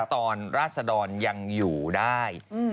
ตอนราศดรยังอยู่ได้